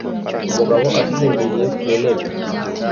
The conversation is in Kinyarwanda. Umugabo asinziriye ku ntebe